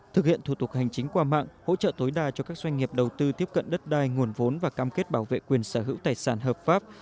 thực hiện thủ tục hành chính qua mạng hỗ trợ tối đa cho các doanh nghiệp đầu tư tiếp cận đất đai nguồn vốn và cam kết bảo vệ quyền sở hữu tài sản hợp pháp